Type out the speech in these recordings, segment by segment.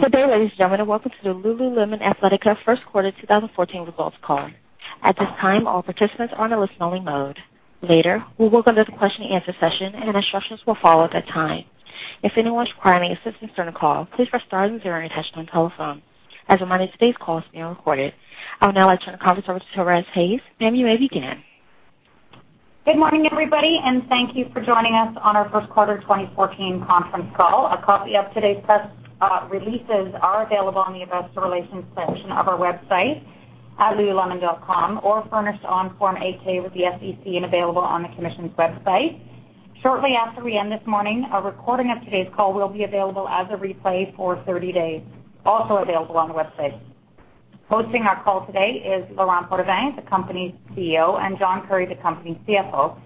Good day, ladies and gentlemen. Welcome to the Lululemon Athletica first quarter 2014 results call. At this time, all participants are in a listen-only mode. Later, we will go to the question and answer session. Instructions will follow at that time. If anyone is requiring assistance during the call, please press star then zero on your touch-tone telephone. A reminder, today's call is being recorded. I would now like to turn the conference over to Theresa Hayes. Ma'am, you may begin. Good morning, everybody. Thank you for joining us on our first quarter 2014 conference call. A copy of today's press releases are available on the investor relations section of our website at lululemon.com or furnished on Form 8-K with the SEC. Available on the commission's website. Shortly after we end this morning, a recording of today's call will be available as a replay for 30 days, also available on the website. Hosting our call today is Laurent Potdevin, the company's CEO, and John Currie, the company's CFO.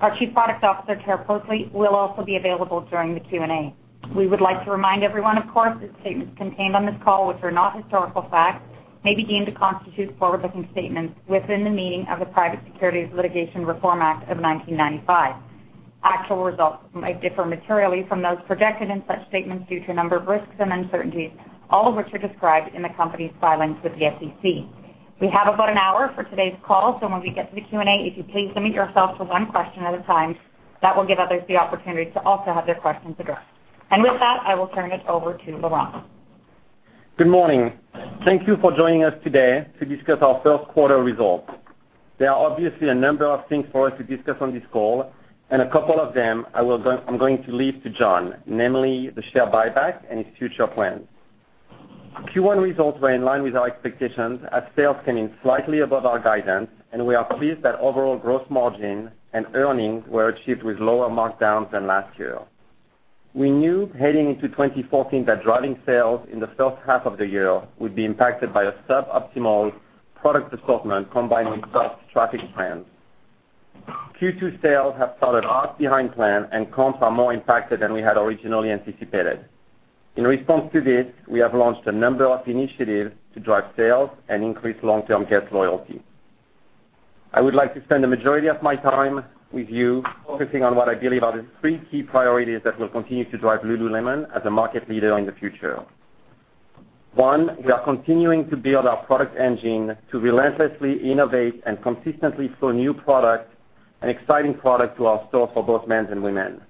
Our Chief Product Officer, Tara Poseley, will also be available during the Q&A. We would like to remind everyone, of course, that statements contained on this call, which are not historical facts, may be deemed to constitute forward-looking statements within the meaning of the Private Securities Litigation Reform Act of 1995. Actual results might differ materially from those projected in such statements due to a number of risks and uncertainties, all of which are described in the company's filings with the SEC. We have about an hour for today's call. When we get to the Q&A, if you'd please limit yourself to one question at a time, that will give others the opportunity to also have their questions addressed. With that, I will turn it over to Laurent. Good morning. Thank you for joining us today to discuss our first quarter results. There are obviously a number of things for us to discuss on this call. A couple of them I'm going to leave to John, namely the share buyback and his future plans. Q1 results were in line with our expectations as sales came in slightly above our guidance. We are pleased that overall gross margin and earnings were achieved with lower markdowns than last year. We knew heading into 2014 that driving sales in the first half of the year would be impacted by a suboptimal product assortment combined with soft traffic plans. Q2 sales have started off behind plan. Comps are more impacted than we had originally anticipated. In response to this, we have launched a number of initiatives to drive sales and increase long-term guest loyalty. I would like to spend the majority of my time with you focusing on what I believe are the three key priorities that will continue to drive Lululemon as a market leader in the future. One, we are continuing to build our product engine to relentlessly innovate and consistently flow new product and exciting product to our store for both men's and women,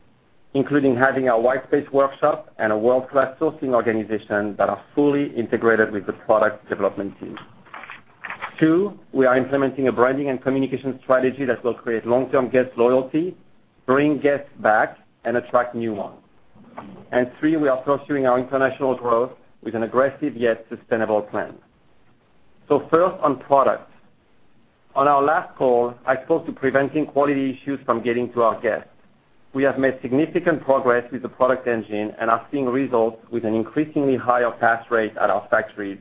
including having a wide space workshop and a world-class sourcing organization that are fully integrated with the product development team. Two, we are implementing a branding and communication strategy that will create long-term guest loyalty, bring guests back, and attract new ones. Three, we are pursuing our international growth with an aggressive yet sustainable plan. First on product. On our last call, I spoke to preventing quality issues from getting to our guests. We have made significant progress with the product engine and are seeing results with an increasingly higher pass rate at our factories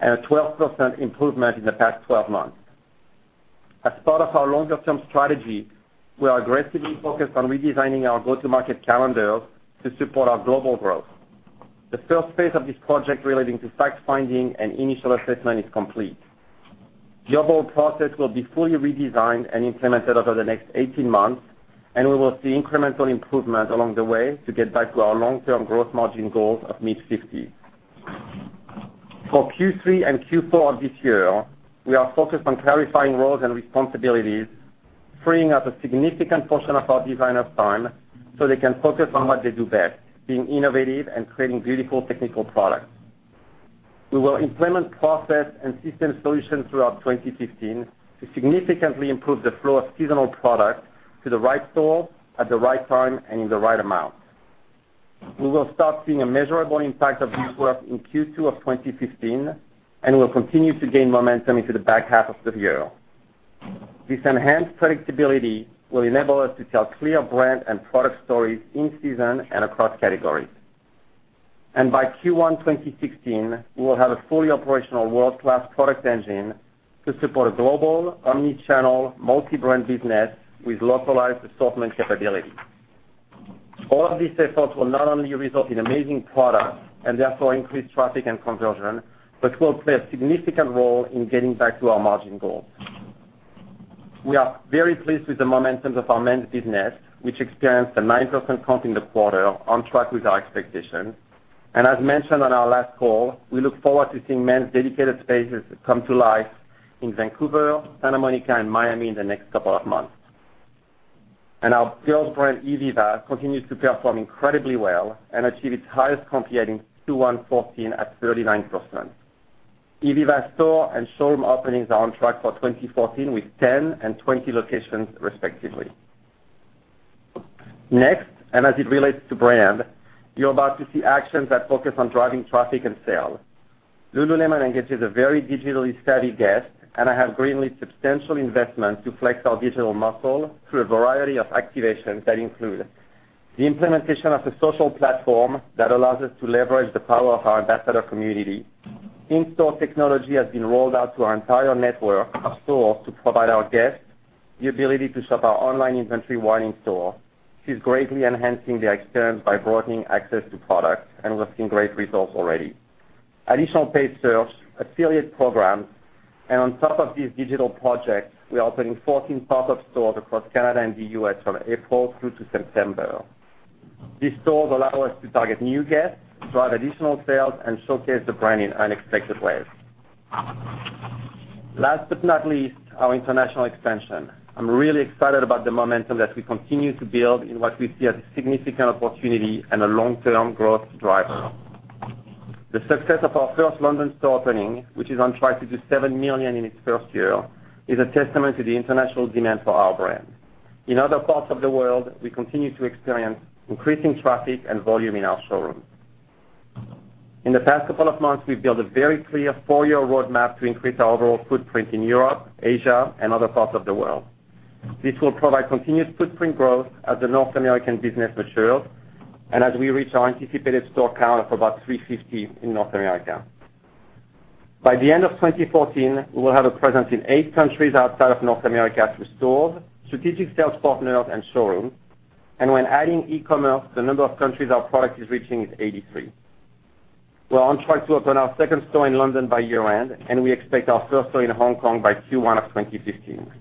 and a 12% improvement in the past 12 months. As part of our longer-term strategy, we are aggressively focused on redesigning our go-to-market calendar to support our global growth. The first phase of this project relating to fact-finding and initial assessment is complete. The overall process will be fully redesigned and implemented over the next 18 months, we will see incremental improvement along the way to get back to our long-term gross margin goals of mid-50%. For Q3 and Q4 of this year, we are focused on clarifying roles and responsibilities, freeing up a significant portion of our designers' time so they can focus on what they do best, being innovative and creating beautiful technical products. We will implement process and system solutions throughout 2015 to significantly improve the flow of seasonal product to the right store at the right time and in the right amount. We will start seeing a measurable impact of this work in Q2 of 2015, we will continue to gain momentum into the back half of the year. This enhanced predictability will enable us to tell clear brand and product stories in-season and across categories. By Q1 2016, we will have a fully operational world-class product engine to support a global, omni-channel, multi-brand business with localized assortment capability. All of these efforts will not only result in amazing products and therefore increase traffic and conversion, but will play a significant role in getting back to our margin goals. We are very pleased with the momentum of our men's business, which experienced a 9% comp in the quarter on track with our expectations. As mentioned on our last call, we look forward to seeing men's dedicated spaces come to life in Vancouver, Santa Monica, and Miami in the next couple of months. Our girls brand, ivivva, continues to perform incredibly well and achieve its highest comp yet in Q1 2014 at 39%. ivivva store and showroom openings are on track for 2014 with 10 and 20 locations, respectively. Next, as it relates to brand, you're about to see actions that focus on driving traffic and sales. Lululemon engages a very digitally savvy guest. I have greenlit substantial investment to flex our digital muscle through a variety of activations that include the implementation of a social platform that allows us to leverage the power of our ambassador community. In-store technology has been rolled out to our entire network of stores to provide our guests the ability to shop our online inventory while in store. This is greatly enhancing their experience by broadening access to products, and we're seeing great results already. Additional paid search, affiliate programs, and on top of these digital projects, we are opening 14 pop-up stores across Canada and the U.S. from April through to September. These stores allow us to target new guests, drive additional sales, and showcase the brand in unexpected ways. Last but not least, our international expansion. I'm really excited about the momentum that we continue to build in what we see as a significant opportunity and a long-term growth driver. The success of our first London store opening, which is on track to do $7 million in its first year, is a testament to the international demand for our brand. In other parts of the world, we continue to experience increasing traffic and volume in our showrooms. In the past couple of months, we've built a very clear four-year roadmap to increase our overall footprint in Europe, Asia, and other parts of the world. This will provide continuous footprint growth as the North American business matures and as we reach our anticipated store count of about 350 in North America. By the end of 2014, we will have a presence in eight countries outside of North America through stores, strategic sales partners, and showrooms, and when adding e-commerce, the number of countries our product is reaching is 83. We're on track to open our second store in London by year-end, and we expect our first store in Hong Kong by Q1 of 2015.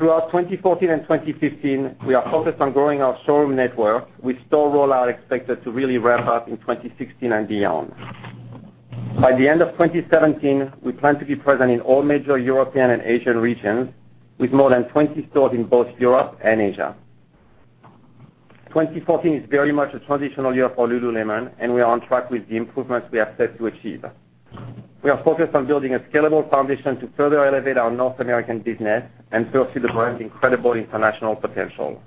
Throughout 2014 and 2015, we are focused on growing our showroom network with store rollout expected to really ramp up in 2016 and beyond. By the end of 2017, we plan to be present in all major European and Asian regions with more than 20 stores in both Europe and Asia. 2014 is very much a transitional year for Lululemon, and we are on track with the improvements we have said to achieve. We are focused on building a scalable foundation to further elevate our North American business and fulfill the brand's incredible international potential.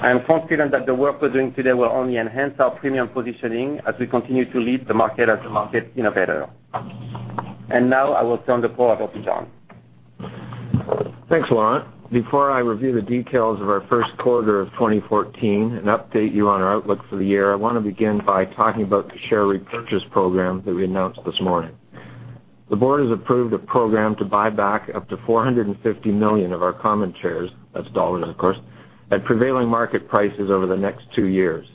I am confident that the work we're doing today will only enhance our premium positioning as we continue to lead the market as a market innovator. Now I will turn the call over to John. Thanks, Laurent. Before I review the details of our first quarter of 2014 and update you on our outlook for the year, I want to begin by talking about the share repurchase program that we announced this morning. The board has approved a program to buy back up to $450 million of our common shares, that's dollars, of course, at prevailing market prices over the next two years.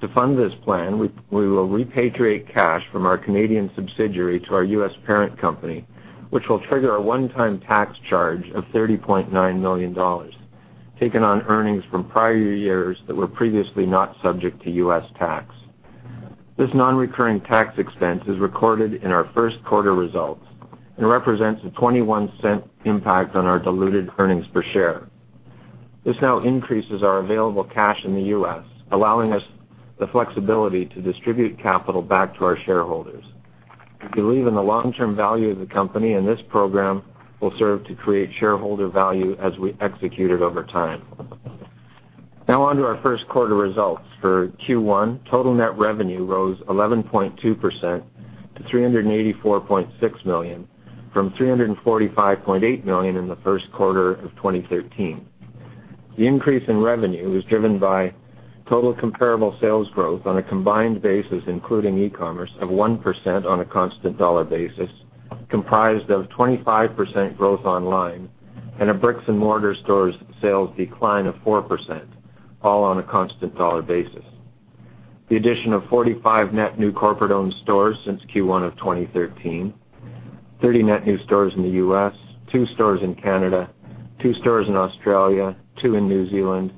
To fund this plan, we will repatriate cash from our Canadian subsidiary to our U.S. parent company, which will trigger a one-time tax charge of $30.9 million taken on earnings from prior years that were previously not subject to U.S. tax. This non-recurring tax expense is recorded in our first quarter results and represents a $0.21 impact on our diluted earnings per share. This now increases our available cash in the U.S., allowing us the flexibility to distribute capital back to our shareholders. We believe in the long-term value of the company, and this program will serve to create shareholder value as we execute it over time. Now on to our first quarter results. For Q1, total net revenue rose 11.2% to $384.6 million from $345.8 million in the first quarter of 2013. The increase in revenue was driven by total comparable sales growth on a combined basis, including e-commerce, of 1% on a constant dollar basis, comprised of 25% growth online and a bricks-and-mortar stores sales decline of 4%, all on a constant dollar basis. The addition of 45 net new corporate-owned stores since Q1 of 2013, 30 net new stores in the U.S., two stores in Canada, two stores in Australia, two in New Zealand,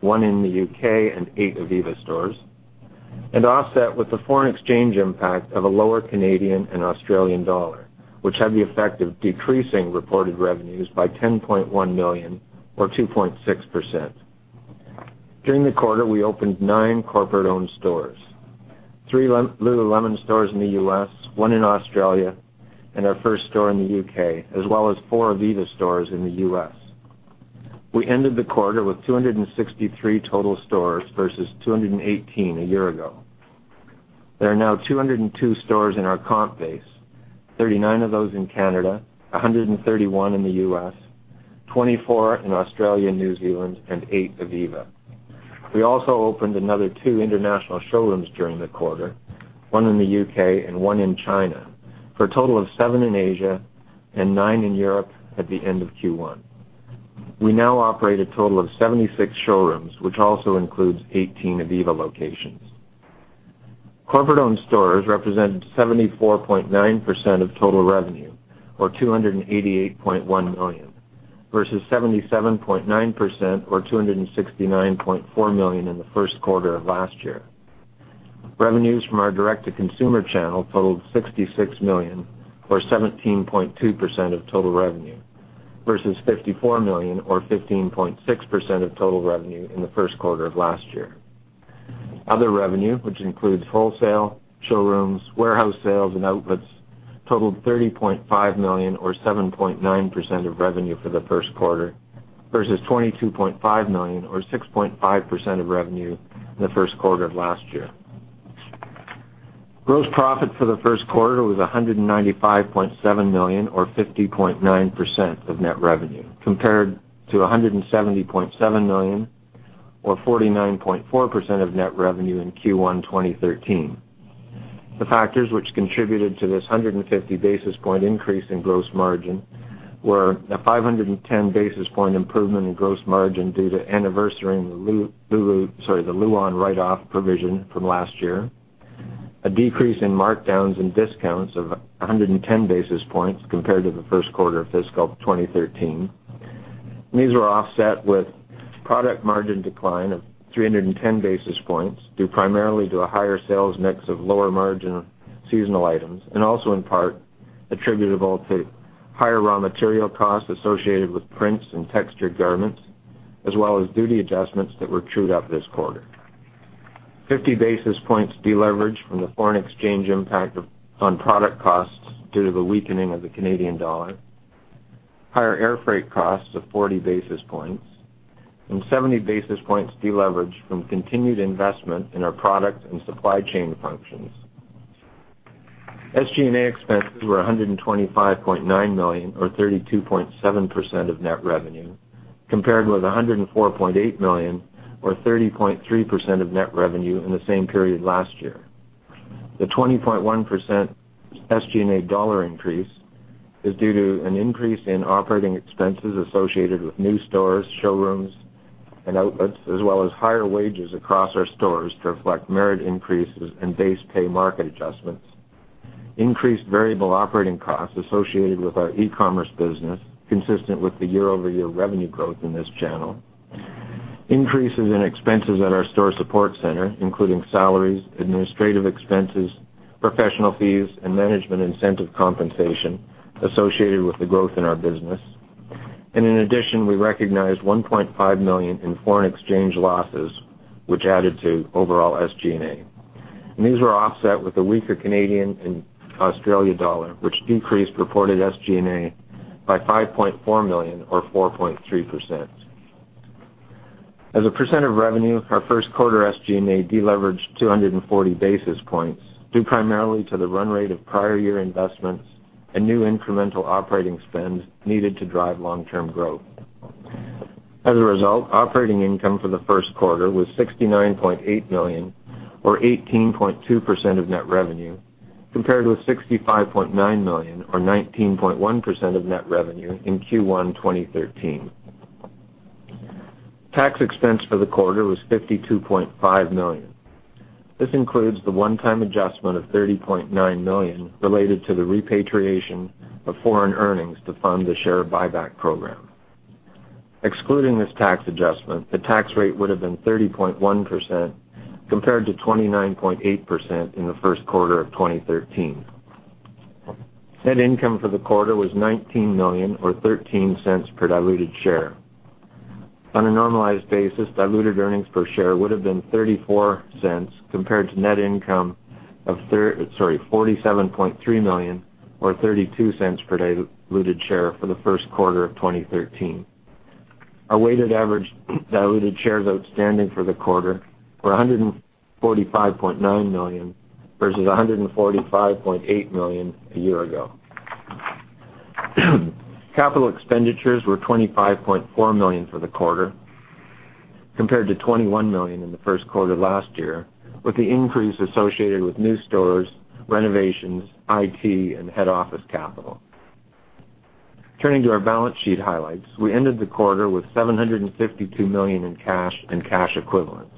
one in the U.K., and eight ivivva stores, and offset with the foreign exchange impact of a lower Canadian and Australian dollar, which had the effect of decreasing reported revenues by $10.1 million or 2.6%. During the quarter, we opened nine corporate-owned stores, three Lululemon stores in the U.S., one in Australia, and our first store in the U.K., as well as four ivivva stores in the U.S. We ended the quarter with 263 total stores versus 218 a year ago. There are now 202 stores in our comp base, 39 of those in Canada, 131 in the U.S., 24 in Australia and New Zealand, and eight ivivva. We also opened another two international showrooms during the quarter, one in the U.K. and one in China, for a total of seven in Asia and nine in Europe at the end of Q1. We now operate a total of 76 showrooms, which also includes 18 ivivva locations. Corporate-owned stores represented 74.9% of total revenue, or $288.1 million, versus 77.9%, or $269.4 million, in the first quarter of last year. Revenues from our direct-to-consumer channel totaled $66 million or 17.2% of total revenue versus $54 million or 15.6% of total revenue in the first quarter of last year. Other revenue, which includes wholesale, showrooms, warehouse sales, and outlets, totaled $30.5 million or 7.9% of revenue for the first quarter versus $22.5 million or 6.5% of revenue in the first quarter of last year. Gross profit for the first quarter was $195.7 million or 50.9% of net revenue, compared to $170.7 million or 49.4% of net revenue in Q1 2013. The factors which contributed to this 150 basis point increase in gross margin were a 510 basis point improvement in gross margin due to anniversarying the Luon write-off provision from last year, a decrease in markdowns and discounts of 110 basis points compared to the first quarter of fiscal 2013. These were offset with product margin decline of 310 basis points, due primarily to a higher sales mix of lower-margin seasonal items, and also in part attributable to higher raw material costs associated with prints and textured garments, as well as duty adjustments that were trued up this quarter. 50 basis points deleverage from the foreign exchange impact on product costs due to the weakening of the Canadian dollar, higher air freight costs of 40 basis points, and 70 basis points deleverage from continued investment in our product and supply chain functions. SG&A expenses were $125.9 million or 32.7% of net revenue, compared with $104.8 million or 30.3% of net revenue in the same period last year. The 20.1% SG&A dollar increase is due to an increase in operating expenses associated with new stores, showrooms, and outlets, as well as higher wages across our stores to reflect merit increases and base pay market adjustments. Increased variable operating costs associated with our e-commerce business, consistent with the year-over-year revenue growth in this channel. Increases in expenses at our store support center, including salaries, administrative expenses, professional fees, and management incentive compensation associated with the growth in our business. In addition, we recognized $1.5 million in foreign exchange losses, which added to overall SG&A. These were offset with the weaker Canadian and Australian dollar, which decreased reported SG&A by $5.4 million or 4.3%. As a % of revenue, our first quarter SG&A deleveraged 240 basis points due primarily to the run rate of prior year investments and new incremental operating spend needed to drive long-term growth. As a result, operating income for the first quarter was $69.8 million or 18.2% of net revenue, compared with $65.9 million or 19.1% of net revenue in Q1 2013. Tax expense for the quarter was $52.5 million. This includes the one-time adjustment of $30.9 million related to the repatriation of foreign earnings to fund the share buyback program. Excluding this tax adjustment, the tax rate would have been 30.1% compared to 29.8% in the first quarter of 2013. Net income for the quarter was $19 million or $0.13 per diluted share. On a normalized basis, diluted earnings per share would have been $0.34 compared to net income of $47.3 million or $0.32 per diluted share for the first quarter of 2013. Our weighted average diluted shares outstanding for the quarter were 145.9 million versus 145.8 million a year ago. Capital expenditures were $25.4 million for the quarter, compared to $21 million in the first quarter last year, with the increase associated with new stores, renovations, IT, and head office capital. Turning to our balance sheet highlights, we ended the quarter with $752 million in cash and cash equivalents.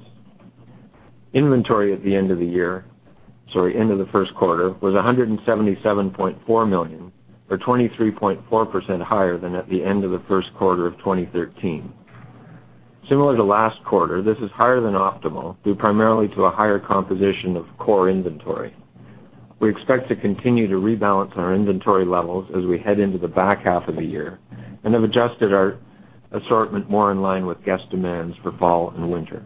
Inventory at the end of the first quarter was $177.4 million or 23.4% higher than at the end of the first quarter of 2013. Similar to last quarter, this is higher than optimal, due primarily to a higher composition of core inventory. We expect to continue to rebalance our inventory levels as we head into the back half of the year and have adjusted our assortment more in line with guest demands for fall and winter.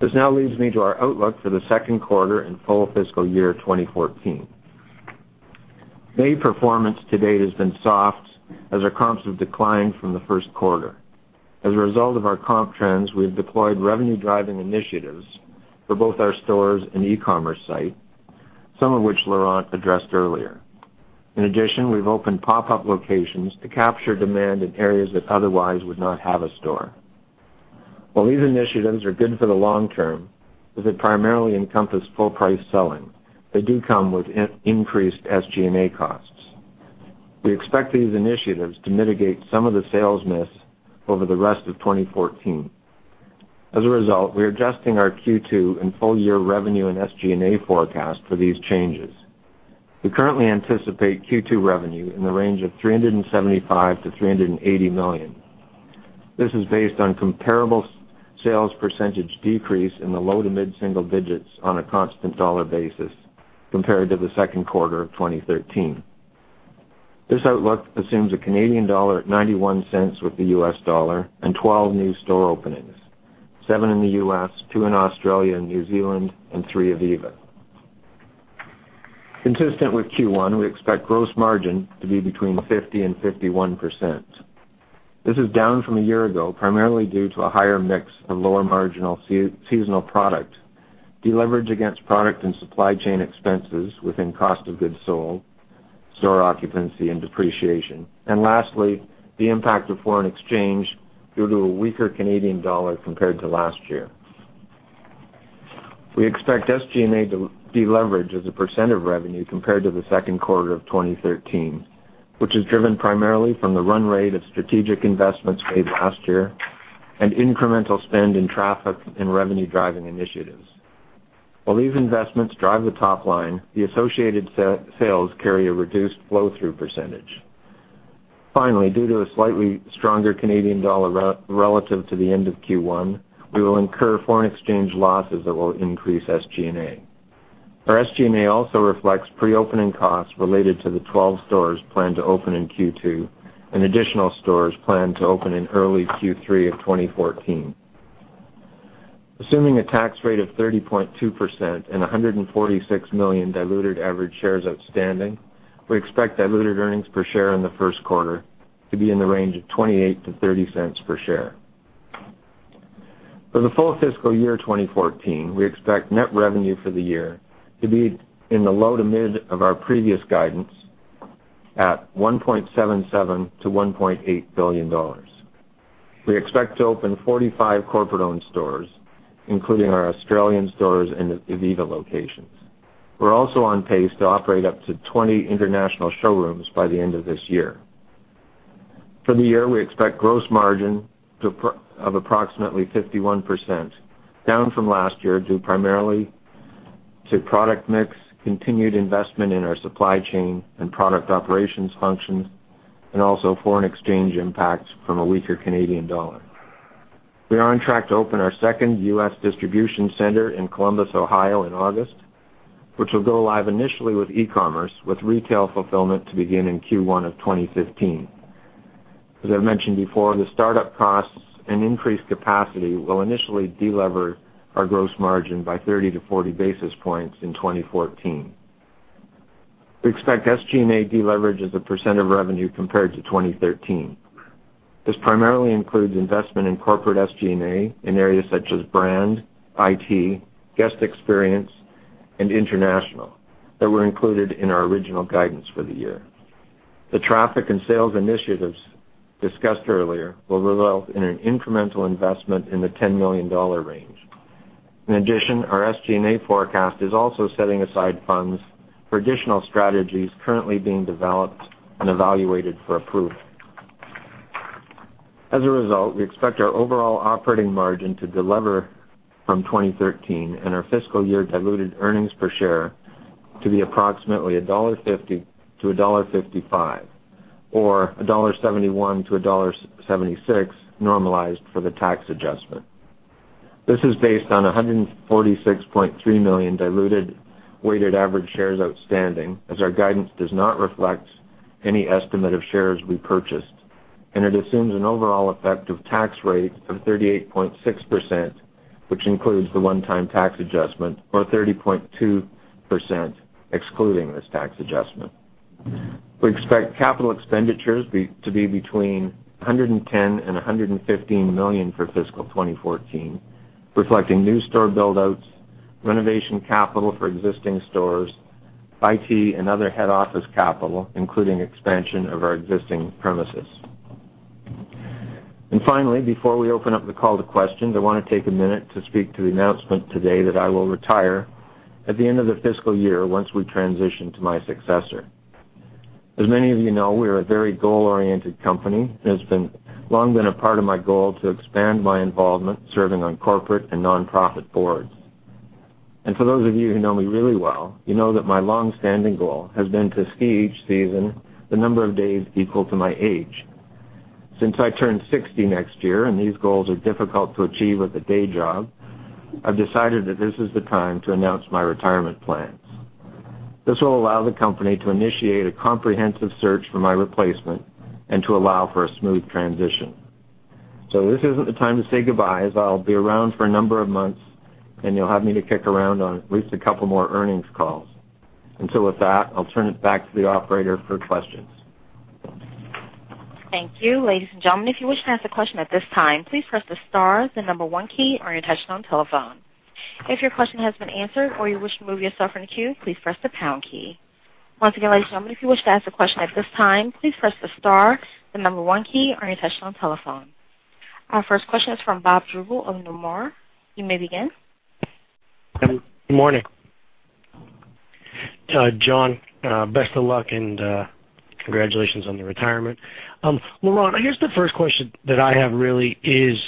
This now leads me to our outlook for the second quarter and full fiscal year 2014. May performance to date has been soft as our comps have declined from the first quarter. As a result of our comp trends, we have deployed revenue-driving initiatives for both our stores and e-commerce site, some of which Laurent addressed earlier. In addition, we've opened pop-up locations to capture demand in areas that otherwise would not have a store. While these initiatives are good for the long term, as they primarily encompass full-price selling, they do come with increased SG&A costs. We expect these initiatives to mitigate some of the sales mix over the rest of 2014. As a result, we are adjusting our Q2 and full-year revenue and SG&A forecast for these changes. We currently anticipate Q2 revenue in the range of $375 million-$380 million. This is based on comparable sales % decrease in the low to mid-single digits on a constant dollar basis compared to the second quarter of 2013. This outlook assumes a Canadian dollar at $0.91 with the U.S. dollar and 12 new store openings, 7 in the U.S., 2 in Australia and New Zealand, and 3 ivivva. Consistent with Q1, we expect gross margin to be between 50%-51%. This is down from a year ago, primarily due to a higher mix of lower marginal seasonal product, deleverage against product and supply chain expenses within cost of goods sold. Store occupancy and depreciation. And lastly, the impact of foreign exchange due to a weaker Canadian dollar compared to last year. We expect SG&A to deleverage as a % of revenue compared to the second quarter of 2013, which is driven primarily from the run rate of strategic investments made last year and incremental spend in traffic and revenue-driving initiatives. While these investments drive the top line, the associated sales carry a reduced flow-through %. Finally, due to a slightly stronger Canadian dollar relative to the end of Q1, we will incur foreign exchange losses that will increase SG&A. Our SG&A also reflects pre-opening costs related to the 12 stores planned to open in Q2 and additional stores planned to open in early Q3 of 2014. Assuming a tax rate of 30.2% and 146 million diluted average shares outstanding, we expect diluted earnings per share in the first quarter to be in the range of $0.28-$0.30 per share. For the full fiscal year 2014, we expect net revenue for the year to be in the low to mid of our previous guidance at $1.77 billion-$1.8 billion. We expect to open 45 corporate-owned stores, including our Australian stores and the ivivva locations. We're also on pace to operate up to 20 international showrooms by the end of this year. For the year, we expect gross margin of approximately 51%, down from last year, due primarily to product mix, continued investment in our supply chain and product operations functions, and also foreign exchange impacts from a weaker Canadian dollar. We are on track to open our second U.S. distribution center in Columbus, Ohio in August, which will go live initially with e-commerce, with retail fulfillment to begin in Q1 of 2015. As I've mentioned before, the startup costs and increased capacity will initially delever our gross margin by 30 to 40 basis points in 2014. We expect SG&A deleverage as a percent of revenue compared to 2013. This primarily includes investment in corporate SG&A in areas such as brand, IT, guest experience, and international that were included in our original guidance for the year. The traffic and sales initiatives discussed earlier will result in an incremental investment in the $10 million range. In addition, our SG&A forecast is also setting aside funds for additional strategies currently being developed and evaluated for approval. As a result, we expect our overall operating margin to delever from 2013 and our fiscal year diluted earnings per share to be approximately $1.50 to $1.55, or $1.71 to $1.76 normalized for the tax adjustment. This is based on 146.3 million diluted weighted average shares outstanding, as our guidance does not reflect any estimate of shares we purchased, and it assumes an overall effective tax rate of 38.6%, which includes the one-time tax adjustment, or 30.2%, excluding this tax adjustment. We expect capital expenditures to be between $110 million and $115 million for fiscal 2014, reflecting new store build-outs, renovation capital for existing stores, IT and other head office capital, including expansion of our existing premises. Finally, before we open up the call to questions, I want to take a minute to speak to the announcement today that I will retire at the end of the fiscal year once we transition to my successor. As many of you know, we are a very goal-oriented company, and it's long been a part of my goal to expand my involvement serving on corporate and nonprofit boards. For those of you who know me really well, you know that my longstanding goal has been to ski each season the number of days equal to my age. Since I turn 60 next year and these goals are difficult to achieve with a day job, I've decided that this is the time to announce my retirement plans. This will allow the company to initiate a comprehensive search for my replacement and to allow for a smooth transition. This isn't the time to say goodbye, as I'll be around for a number of months, and you'll have me to kick around on at least a couple more earnings calls. With that, I'll turn it back to the operator for questions. Thank you. Ladies and gentlemen, if you wish to ask a question at this time, please press the star, the number one key on your touchtone telephone. If your question has been answered or you wish to remove yourself from the queue, please press the pound key. Once again, ladies and gentlemen, if you wish to ask a question at this time, please press the star, the number one key on your touchtone telephone. Our first question is from Bob Drbul of Nomura. You may begin. Good morning. John, best of luck and congratulations on the retirement. Laurent, I guess the first question that I have really is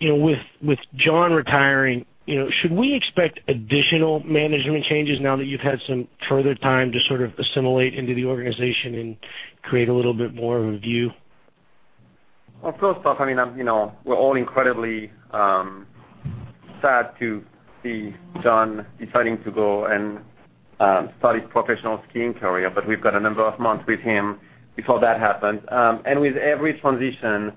with John retiring, should we expect additional management changes now that you've had some further time to sort of assimilate into the organization and create a little bit more of a view? Well, first off, we're all incredibly sad to see John deciding to go and start his professional skiing career. We've got a number of months with him before that happens. With every transition,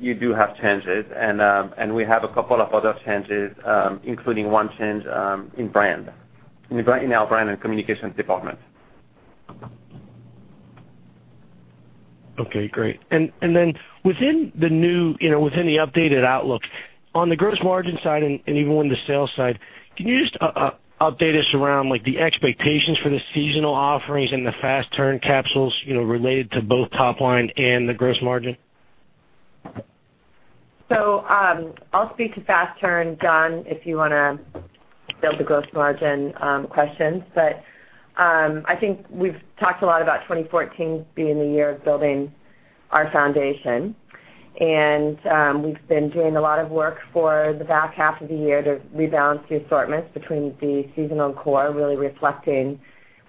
you do have changes, and we have a couple of other changes, including one change in our brand and communications department. Okay, great. Then within the updated outlook on the gross margin side and even on the sales side, can you just update us around the expectations for the seasonal offerings and the fast turn capsules, related to both top line and the gross margin? I'll speak to fast turn, John, if you want to build the gross margin questions. I think we've talked a lot about 2014 being the year of building our foundation. We've been doing a lot of work for the back half of the year to rebalance the assortments between the seasonal core, really reflecting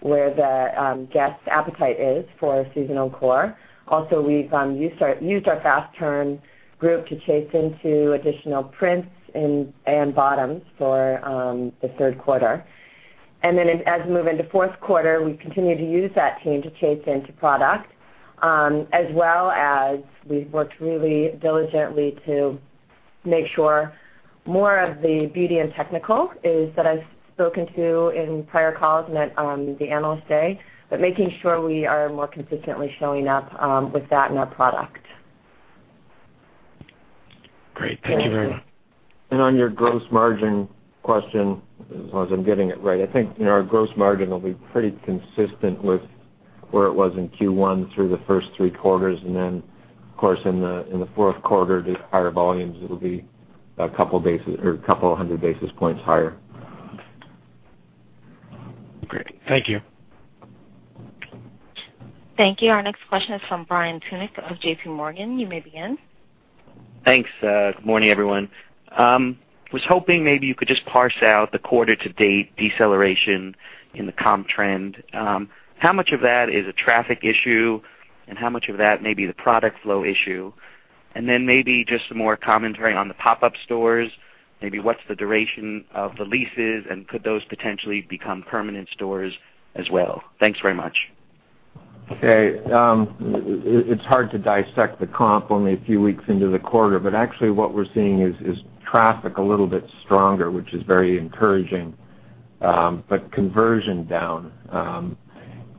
where the guest appetite is for seasonal core. We've used our fast turn group to chase into additional prints and bottoms for the third quarter. Then as we move into fourth quarter, we continue to use that team to chase into product, as well as we've worked really diligently to make sure more of the beauty and technical is, that I've spoken to in prior calls and at the Analyst Day, making sure we are more consistently showing up with that in our product. Great. Thank you very much. On your gross margin question, as long as I'm getting it right, I think our gross margin will be pretty consistent with where it was in Q1 through the first three quarters. Then, of course, in the fourth quarter, the higher volumes, it'll be a couple of hundred basis points higher. Great. Thank you. Thank you. Our next question is from Brian Tunick of JPMorgan. You may begin. Then maybe just some more commentary on the pop-up stores. Maybe what's the duration of the leases, and could those potentially become permanent stores as well? Thanks very much. Okay. It's hard to dissect the comp only a few weeks into the quarter, actually what we're seeing is traffic a little bit stronger, which is very encouraging. Conversion down,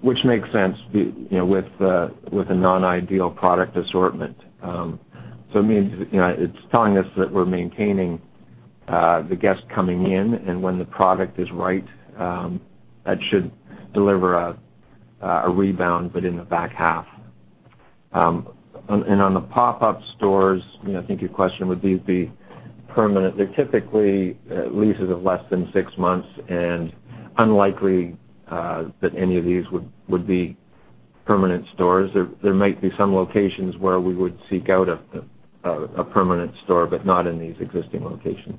which makes sense with a non-ideal product assortment. It means it's telling us that we're maintaining the guests coming in, and when the product is right, that should deliver a rebound, but in the back half. On the pop-up stores, I think your question, would these be permanent? They're typically leases of less than six months and unlikely that any of these would be permanent stores. There might be some locations where we would seek out a permanent store, but not in these existing locations.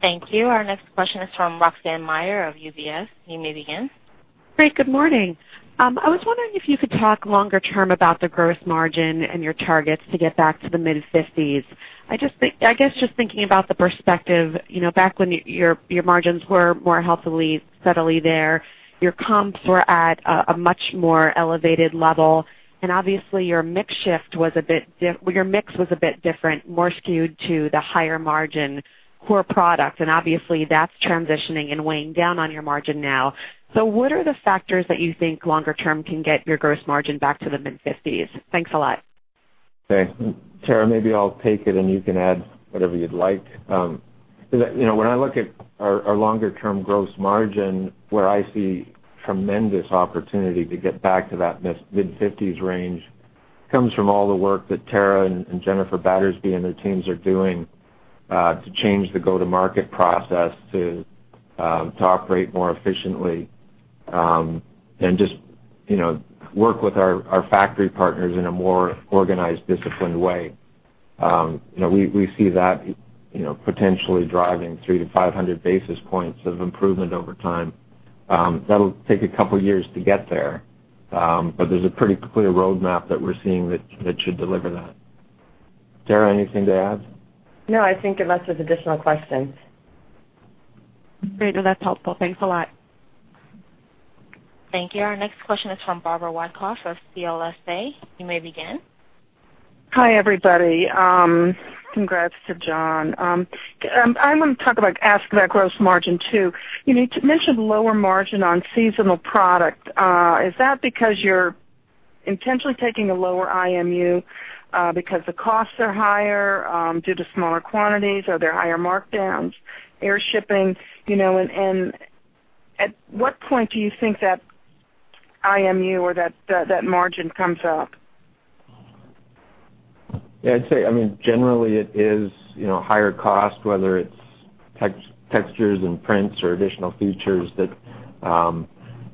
Thank you. Our next question is from Roxanne Meyer of UBS. You may begin. Great. Good morning. I was wondering if you could talk longer term about the gross margin and your targets to get back to the mid-50s. I guess, just thinking about the perspective, back when your margins were more healthily, steadily there, your comps were at a much more elevated level, and obviously your mix was a bit different, more skewed to the higher margin core product, and obviously that's transitioning and weighing down on your margin now. What are the factors that you think longer term can get your gross margin back to the mid-50s? Thanks a lot. Okay. Tara, maybe I'll take it, and you can add whatever you'd like. When I look at our longer term gross margin, where I see tremendous opportunity to get back to that mid-50s range comes from all the work that Tara and Jennifer Battersby and their teams are doing, to change the go-to-market process to operate more efficiently, and just work with our factory partners in a more organized, disciplined way. We see that potentially driving 3 to 500 basis points of improvement over time. That'll take a couple of years to get there's a pretty clear roadmap that we're seeing that should deliver that. Tara, anything to add? No, I think unless there's additional questions. Great. Well, that's helpful. Thanks a lot. Thank you. Our next question is from Barbara Wyckoff of CLSA. You may begin. Hi, everybody. Congrats to John. I want to ask that gross margin too. You mentioned lower margin on seasonal product. Is that because you're intentionally taking a lower IMU because the costs are higher due to smaller quantities? Are there higher markdowns, air shipping, and at what point do you think that IMU or that margin comes up? Yeah, I'd say, generally it is higher cost, whether it's textures and prints or additional features that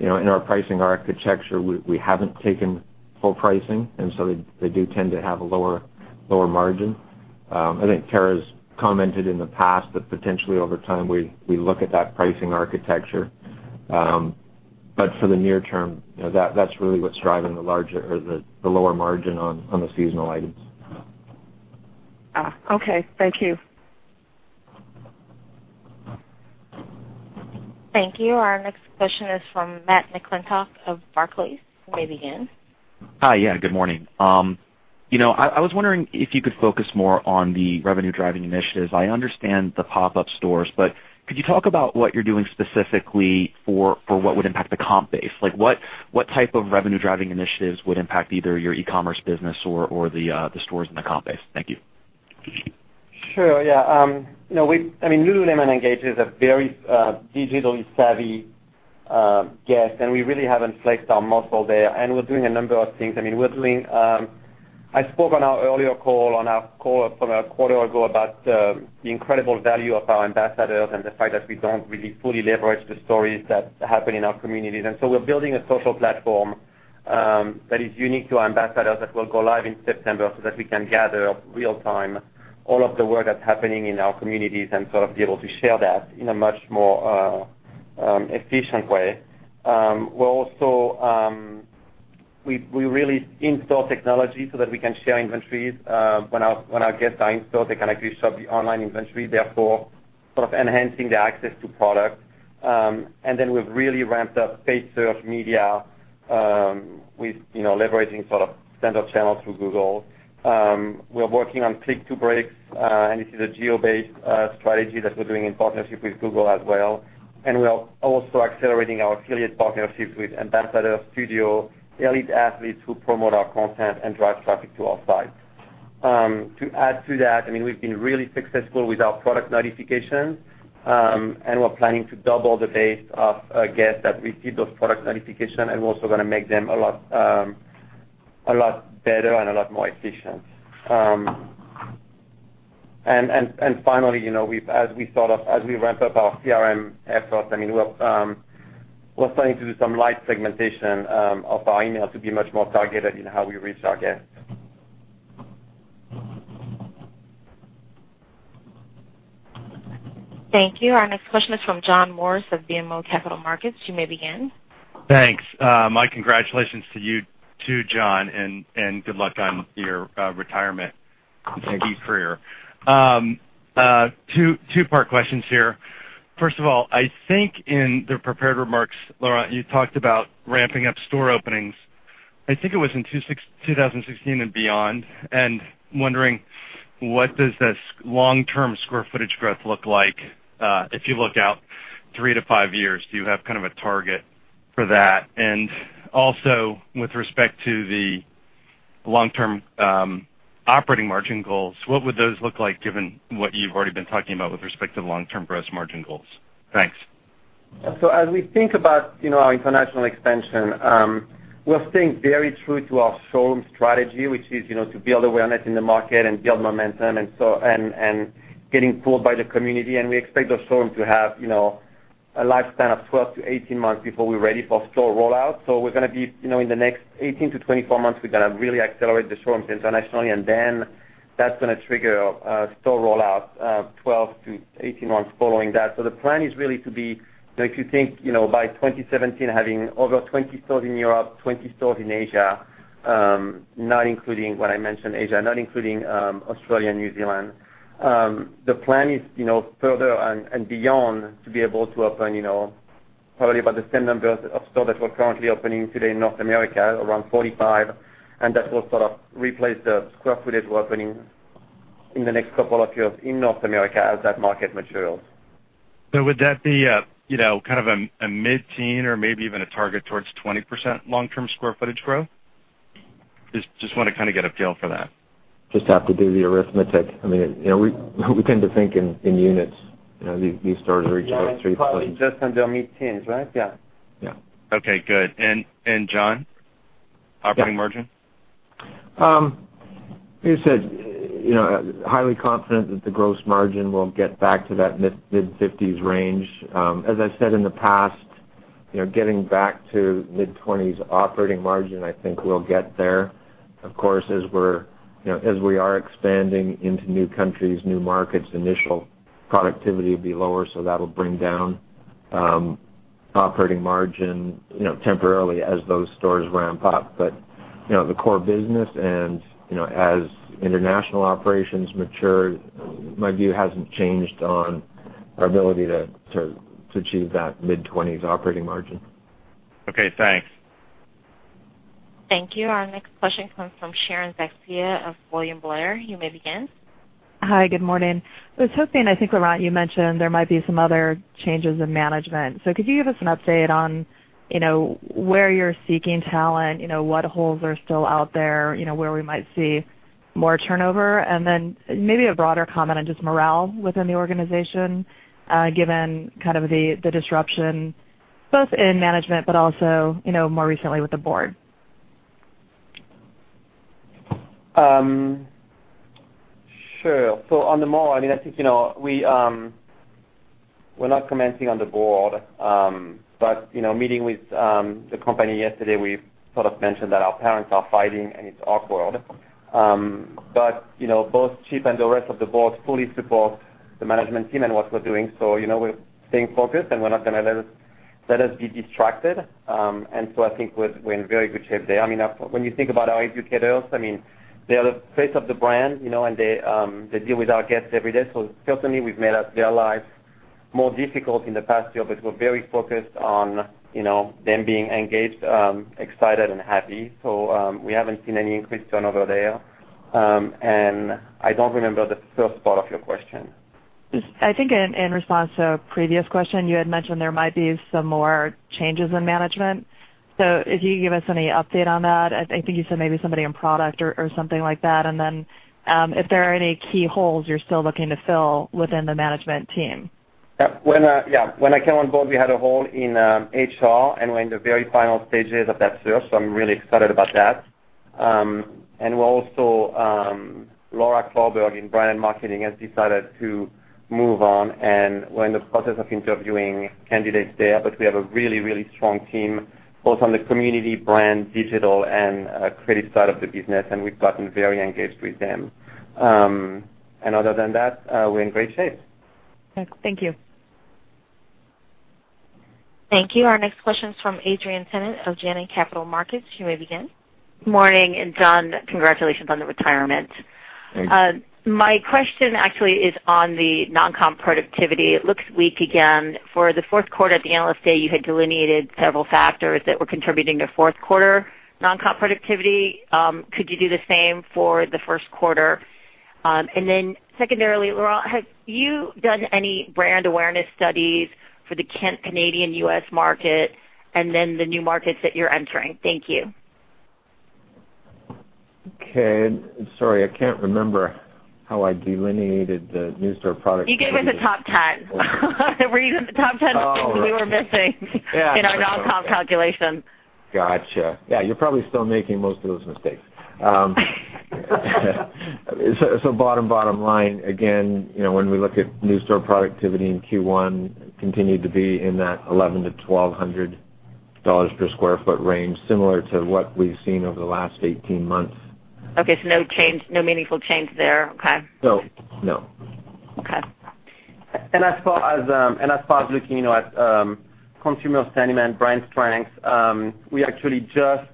in our pricing architecture, we haven't taken full pricing, and so they do tend to have a lower margin. I think Tara's commented in the past that potentially over time, we look at that pricing architecture. For the near term, that's really what's driving the lower margin on the seasonal items. Okay. Thank you. Thank you. Our next question is from Matthew McClintock of Barclays. You may begin. Hi. Good morning. I was wondering if you could focus more on the revenue-driving initiatives. I understand the pop-up stores, but could you talk about what you're doing specifically for what would impact the comp base? What type of revenue-driving initiatives would impact either your e-commerce business or the stores in the comp base? Thank you. Sure. Lululemon engages a very digitally savvy guest, we really haven't flexed our muscle there, we're doing a number of things. I spoke on our earlier call from a quarter ago about the incredible value of our ambassadors and the fact that we don't really fully leverage the stories that happen in our communities. We're building a social platform that is unique to ambassadors that will go live in September so that we can gather real time all of the work that's happening in our communities sort of be able to share that in a much more efficient way. We also really install technology so that we can share inventories. When our guests are in store, they can actually shop the online inventory, therefore sort of enhancing the access to product. We've really ramped up paid search media with leveraging sort of center channel through Google. We're working on clicks-to-bricks, and this is a geo-based strategy that we're doing in partnership with Google as well. We are also accelerating our affiliate partnerships with ambassador studio elite athletes who promote our content and drive traffic to our site. To add to that, we've been really successful with our product notifications, and we're planning to double the base of guests that receive those product notifications, and we're also going to make them a lot better and a lot more efficient. Finally, as we ramp up our CRM efforts, we're planning to do some light segmentation of our email to be much more targeted in how we reach our guests. Thank you. Our next question is from John Morris of BMO Capital Markets. You may begin. Thanks. My congratulations to you too, John, and good luck on your retirement. Thank you. Two-part questions here. First of all, I think in the prepared remarks, Laurent, you talked about ramping up store openings. I think it was in 2016 and beyond. Wondering, what does this long-term square footage growth look like? If you look out three to five years, do you have kind of a target for that? Also, with respect to the long-term operating margin goals, what would those look like given what you've already been talking about with respect to the long-term gross margin goals? Thanks. As we think about our international expansion, we're staying very true to our showroom strategy, which is to build awareness in the market and build momentum and getting pulled by the community. We expect those showrooms to have a lifespan of 12 to 18 months before we're ready for store rollout. In the next 18 to 24 months, we're going to really accelerate the showrooms internationally, and then that's going to trigger a store rollout 12 to 18 months following that. The plan is really to be, if you think by 2017, having over 20 stores in Europe, 20 stores in Asia, when I mention Asia, not including Australia and New Zealand. The plan is further and beyond to be able to open probably about the same number of stores that we're currently opening today in North America, around 45, and that will sort of replace the square footage we're opening in the next couple of years in North America as that market matures. Would that be a mid-teen or maybe even a target towards 20% long-term square footage growth? Just want to kind of get a feel for that. Just have to do the arithmetic. We tend to think in units. These stores reach about three. Yeah. It's probably just under mid-teens, right? Yeah. Yeah. Okay, good. John, operating margin? Yes. As you said, highly confident that the gross margin will get back to that mid-50s range. As I said in the past, getting back to mid-20s operating margin, I think we'll get there. Of course, as we are expanding into new countries, new markets, initial productivity will be lower, so that'll bring down operating margin temporarily as those stores ramp up. The core business, and as international operations mature, my view hasn't changed on our ability to achieve that mid-20s operating margin. Okay, thanks. Thank you. Our next question comes from Sharon Zackfia of William Blair. You may begin. Hi, good morning. I was hoping, I think, Laurent, you mentioned there might be some other changes in management. Could you give us an update on where you're seeking talent, what holes are still out there, where we might see more turnover? Then maybe a broader comment on just morale within the organization, given the disruption, both in management but also more recently with the board. Sure. On the mall, we're not commenting on the board. Meeting with the company yesterday, we sort of mentioned that our parents are fighting, and it's awkward. Both Chip and the rest of the board fully support the management team and what we're doing. We're staying focused, and we're not going to let us be distracted. I think we're in very good shape there. When you think about our educators, they are the face of the brand, and they deal with our guests every day. Certainly, we've made their lives more difficult in the past year, but we're very focused on them being engaged, excited, and happy. We haven't seen any increased turnover there. I don't remember the first part of your question. I think in response to a previous question, you had mentioned there might be some more changes in management. If you could give us any update on that. I think you said maybe somebody in product or something like that. Then, if there are any key holes you're still looking to fill within the management team. Yeah. When I came on board, we had a hole in HR, and we're in the very final stages of that search, so I'm really excited about that. Also, Laura Klauberg in brand and marketing has decided to move on, and we're in the process of interviewing candidates there. We have a really strong team both on the community brand, digital, and creative side of the business, and we've gotten very engaged with them. Other than that, we're in great shape. Okay. Thank you. Thank you. Our next question is from Adrienne Tennant of Janney Capital Markets. You may begin. Morning, John, congratulations on the retirement. Thank you. My question actually is on the non-comp productivity. It looks weak again. For the fourth quarter at the Analyst Day, you had delineated several factors that were contributing to fourth quarter non-comp productivity. Could you do the same for the first quarter? Secondarily, Laurent, have you done any brand awareness studies for the Canadian-U.S. market, and then the new markets that you're entering? Thank you. Okay. Sorry, I can't remember how I delineated the new store productivity. You gave us a top 10. The top 10 that you were missing Oh, right in our non-comp calculations. Got you. Yeah, you're probably still making most of those mistakes. Bottom line, again, when we look at new store productivity in Q1, continued to be in that 1,100-1,200 dollars per square foot range, similar to what we've seen over the last 18 months. Okay, no meaningful change there. Okay. No. Okay. As far as looking at consumer sentiment, brand strengths, we actually just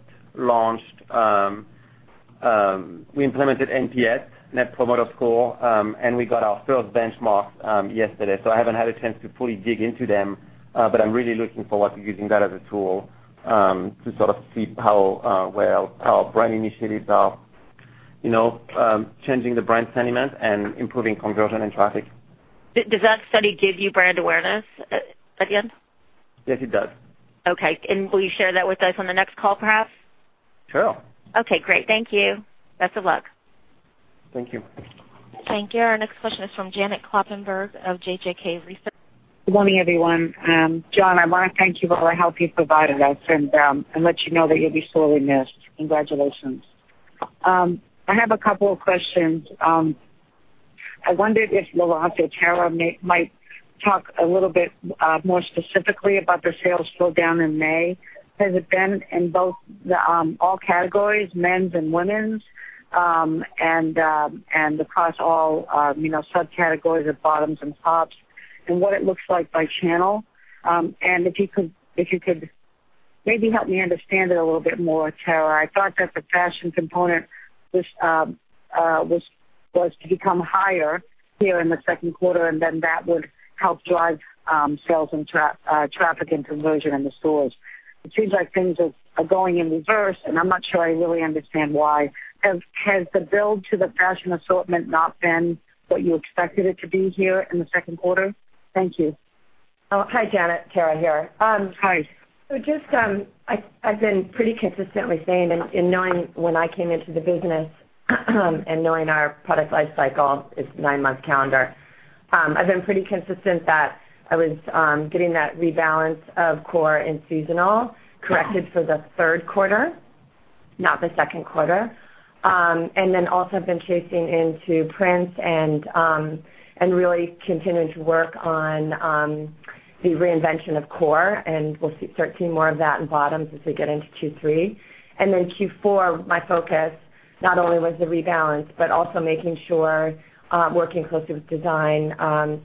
implemented NPS, Net Promoter Score, and we got our first benchmark yesterday. I haven't had a chance to fully dig into them, but I'm really looking forward to using that as a tool to sort of see how well our brand initiatives are changing the brand sentiment and improving conversion and traffic. Does that study give you brand awareness at the end? Yes, it does. Okay. Will you share that with us on the next call, perhaps? Sure. Okay, great. Thank you. Best of luck. Thank you. Thank you. Our next question is from Janet Kloppenburg of JJK Research. Good morning, everyone. John, I want to thank you for all the help you've provided us and let you know that you'll be sorely missed. Congratulations. I have a couple of questions. I wondered if Laurent or Tara might talk a little bit more specifically about the sales slowdown in May. Has it been in all categories, men's and women's, and across all subcategories of bottoms and tops, and what it looks like by channel? If you could maybe help me understand it a little bit more, Tara. I thought that the fashion component was to become higher here in the second quarter, and then that would help drive sales and traffic and conversion in the stores. It seems like things are going in reverse, and I'm not sure I really understand why. Has the build to the fashion assortment not been what you expected it to be here in the second quarter? Thank you. Hi, Janet. Tara here. Hi. Just I've been pretty consistently saying and knowing when I came into the business and knowing our product life cycle, it's nine-month calendar. I've been pretty consistent that I was getting that rebalance of core and seasonal corrected for the third quarter, not the second quarter. Also have been chasing into prints and really continuing to work on the reinvention of core, and we'll start to see more of that in bottoms as we get into Q3. Q4, my focus not only was the rebalance, but also making sure, working closely with design,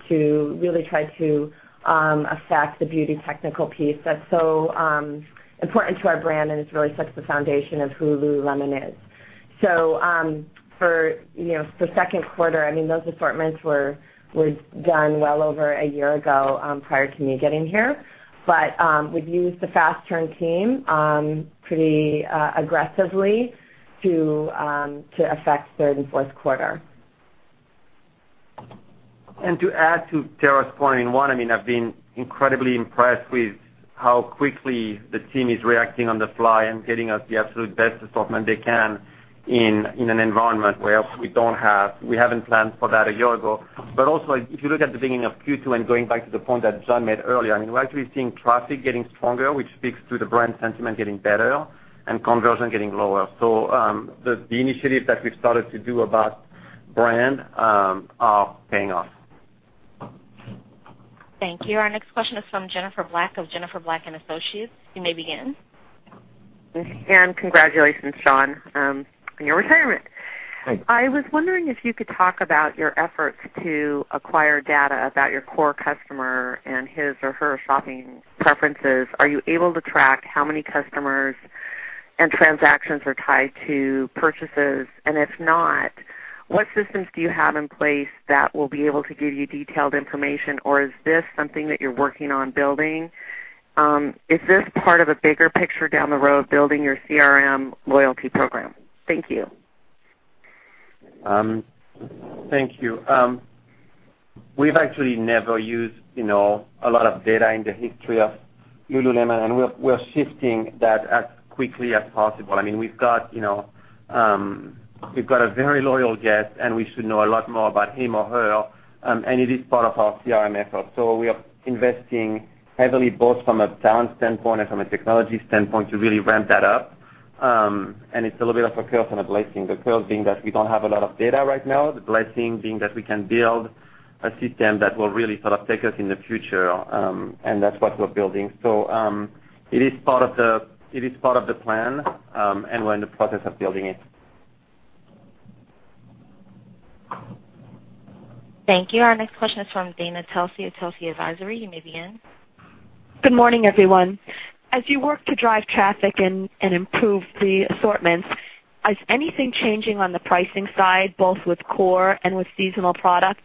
to really try to affect the beauty technical piece that's so important to our brand, and it really sets the foundation of who Lululemon is. For the second quarter, those assortments were done well over a year ago, prior to me getting here. We've used the fast turn team pretty aggressively to affect third and fourth quarter. To add to Tara's point in one, I've been incredibly impressed with how quickly the team is reacting on the fly and getting us the absolute best assortment they can in an environment where we haven't planned for that a year ago. Also, if you look at the beginning of Q2 and going back to the point that John made earlier, we're actually seeing traffic getting stronger, which speaks to the brand sentiment getting better and conversion getting lower. The initiative that we've started to do about brand are paying off. Thank you. Our next question is from Jennifer Black of Jennifer Black & Associates. You may begin. Congratulations, John, on your retirement. Thanks. I was wondering if you could talk about your efforts to acquire data about your core customer and his or her shopping preferences. Are you able to track how many customers Transactions are tied to purchases, and if not, what systems do you have in place that will be able to give you detailed information? Is this something that you're working on building? Is this part of a bigger picture down the road, building your CRM loyalty program? Thank you. Thank you. We've actually never used a lot of data in the history of Lululemon, and we're shifting that as quickly as possible. We've got a very loyal guest, and we should know a lot more about him or her, and it is part of our CRM effort. We are investing heavily, both from a talent standpoint and from a technology standpoint, to really ramp that up. It's a little bit of a curse and a blessing. The curse being that we don't have a lot of data right now, the blessing being that we can build a system that will really take us in the future, and that's what we're building. It is part of the plan, and we're in the process of building it. Thank you. Our next question is from Dana Telsey of Telsey Advisory. You may begin. Good morning, everyone. As you work to drive traffic and improve the assortments, is anything changing on the pricing side, both with core and with seasonal products?